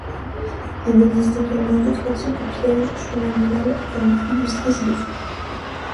Il existe également d'autre types de pièges tuant l'animal comme illustré ci-dessous.